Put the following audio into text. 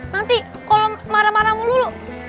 nanti kalau marah marah mulu